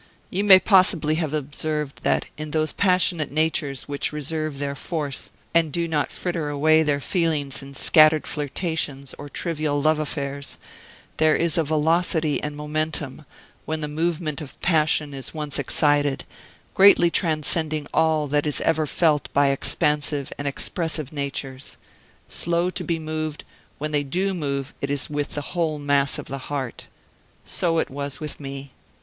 You may possibly have observed that in those passionate natures which reserve their force, and do not fritter away their feelings in scattered flirtations or trivial love affairs, there is a velocity and momentum, when the movement of passion is once excited, greatly transcending all that is ever felt by expansive and expressive natures. Slow to be moved, when they do move it is with the whole mass of the heart. So it was with me.